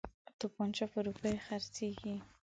توپنچه په روپیو خرڅیږي.